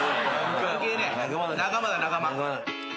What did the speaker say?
仲間だ仲間。